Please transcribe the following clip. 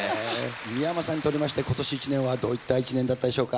三山さんにとりまして今年一年はどういった一年だったでしょうか？